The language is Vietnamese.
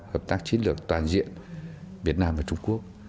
hợp tác chiến lược toàn diện việt nam và trung quốc